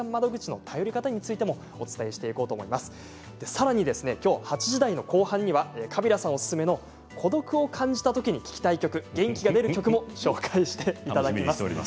さらに８時台の後半にはカビラさんおすすめの孤独を感じたときに聴きたい曲元気が出る曲も紹介していただきます。